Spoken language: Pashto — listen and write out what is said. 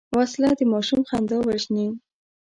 وسله د ماشوم خندا وژني